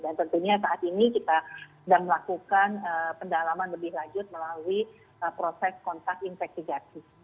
dan tentunya saat ini kita sedang melakukan pendalaman lebih lanjut melalui proses kontak infekti gaji